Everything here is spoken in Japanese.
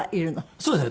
そうですね。